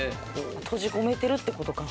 閉じ込めてるって事か。